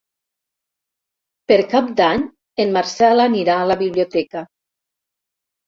Per Cap d'Any en Marcel anirà a la biblioteca.